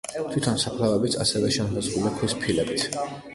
თვითონ საფლავებიც ასევე შემოსაზღვრულია ქვის ფილებით.